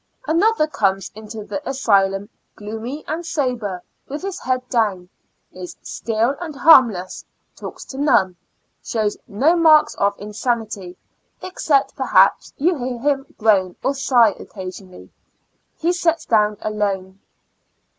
Another comes into the asylum gloomy and sober, with his head down ; is still and harmless ; talks to none ; shows no "marks of insanity; except, perhaps, you hear him groan or sigh occasionally ; he sets down alone.